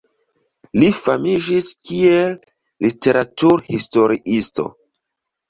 Li famiĝis kiel literaturhistoriisto.